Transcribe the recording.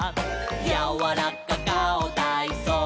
「やわらかかおたいそう」